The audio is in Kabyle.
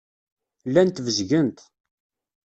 Llant bezgent.